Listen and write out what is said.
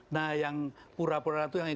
nah yang pura pura itu yang